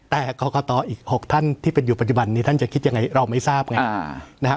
แต่กรกตอีก๖ท่านที่เป็นอยู่ปัจจุบันนี้ท่านจะคิดยังไงเราไม่ทราบไงนะฮะ